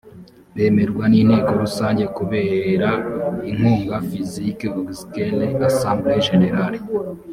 bemerwa n inteko rusange kubera inkunga physiques auxquelles l assembl e g n rale